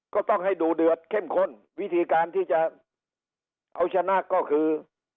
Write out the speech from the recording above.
ก็ต้องให้ดูเดือดเข้มข้นวิธีการที่จะเอาชนะก็คือ